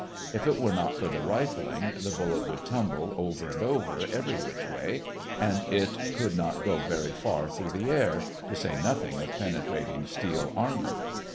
If it were not for the rifling, the bullet would tumble over and over, every which way, and it could not go very far through the air, to say nothing of penetrating steel armor.